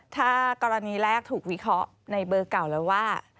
ถ้ากรณีแรกถูกวิเคราะห์ในเบอร์เก่าแล้วว่า